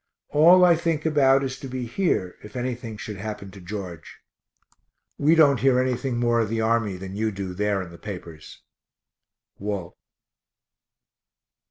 All I think about is to be here if any thing should happen to George). We don't hear anything more of the army than you do there in the papers. WALT.